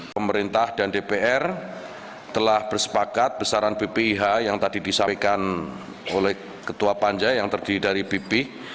pemerintah dan dpr telah bersepakat besaran bpih yang tadi disampaikan oleh ketua panja yang terdiri dari bpih